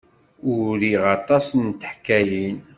Uriɣ aṭas n teḥkayin.